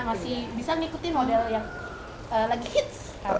karena masih bisa mengikuti model yang lagi hits